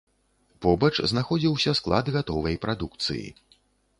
Побач знаходзіўся склад гатовай прадукцыі.